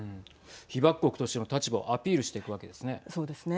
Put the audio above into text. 被爆国としての立場をアピールしていくわけですね。